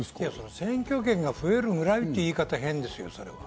選挙権が増えるぐらいって言い方は変ですよ、それは。